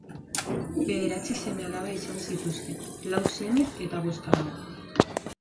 Bederatzi seme-alaba izan zituzten: lau seme eta bost alaba.